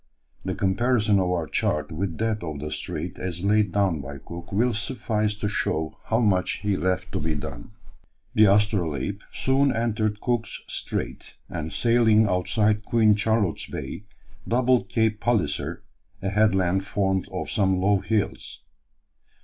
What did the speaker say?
The comparison of our chart with that of the strait as laid down by Cook will suffice to show how much he left to be done." [Footnote 1: Now "South Island." Trans.] The Astrolabe soon entered Cook's Strait, and sailing outside Queen Charlotte's Bay, doubled Cape Palliser, a headland formed of some low hills.